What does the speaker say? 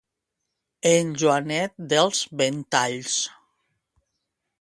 En Joanet dels ventalls.